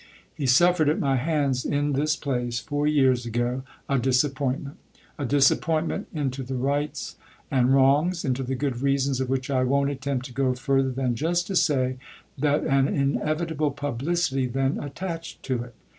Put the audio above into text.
Me suffered, at my hands, in this place, four years ago, a disappointment a disappointment into the rights and wrongs, into the good reasons of which I won't 208 THE OTHER HOUSE attempt to go further than just to say that an inevi table publicity then attached to it."